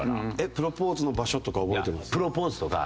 プロポーズの場所とか覚えてます？